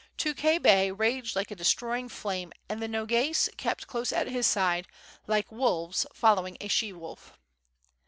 Tukhay Bey raged like a destroying flame and the Nogais kept close at his side, like wolves following a she wolf.